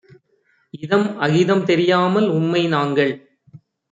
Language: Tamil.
இதம்அகிதம் தெரியாமல் உம்மை நாங்கள்